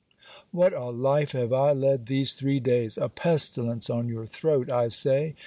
What a life have I led these three days! A pestilence on your throat, I say!